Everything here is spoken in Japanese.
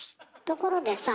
ところでさ